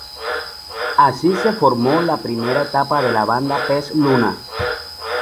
Así se conformó la primera etapa de la banda Pez Luna.